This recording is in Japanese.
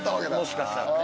もしかしたらね。